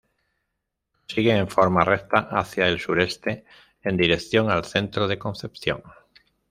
Prosigue en forma recta hacia el sureste, en dirección al centro de Concepción.